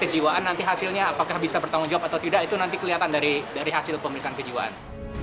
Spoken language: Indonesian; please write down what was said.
kejiwaan nanti hasilnya apakah bisa bertanggung jawab atau tidak itu nanti kelihatan dari hasil pemeriksaan kejiwaan